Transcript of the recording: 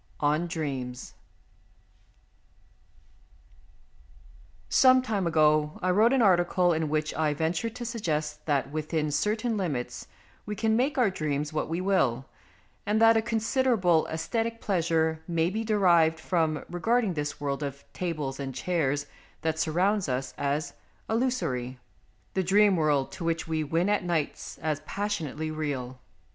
XIII ON DREAMS SOME time ago I wrote an article in which I ventured to suggest that within certain limits we can make our dreams what we will, and that a considerable aesthetic pleasure may be derived from regarding this world of tables and chairs that surrounds us as illusory, the dream world to which we win at nights as passionately real.